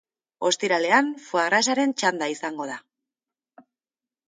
Ostiralean foi-gras-aren txanda izango da.